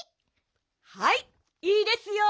はいっいいですよ。